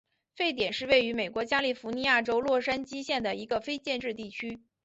沸点是位于美国加利福尼亚州洛杉矶县的一个非建制地区。